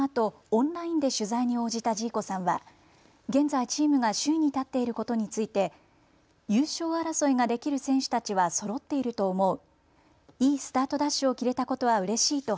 オンラインで取材に応じたジーコさんは現在、チームが首位に立っていることについて優勝争いができる選手たちはそろっていると思う。